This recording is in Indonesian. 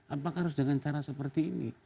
apakah harus dengan cara seperti ini